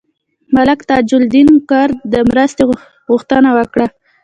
ملک تاج الدین کرد د مرستې غوښتنه وکړه.